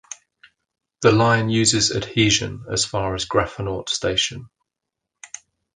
The line uses adhesion as far as Grafenort station.